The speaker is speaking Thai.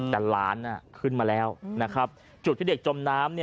แต่ล้านอ่ะขึ้นมาแล้วจุดที่เด็กจมนานอ่ะว่าเป็นหลานอยู่ร้านที่ล้านนี้